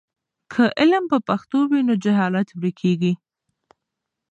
که علم په پښتو وي نو جهالت ورکېږي.